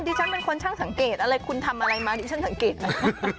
ดิฉันเป็นคนช่างสังเกตอะไรคุณทำอะไรมาดิฉันสังเกตไหม